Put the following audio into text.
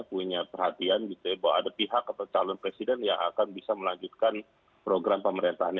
punya perhatian gitu ya bahwa ada pihak atau calon presiden yang akan bisa melanjutkan program pemerintahan